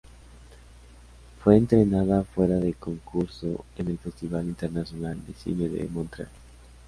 Fue estrenada fuera de concurso en el Festival Internacional de Cine de Montreal.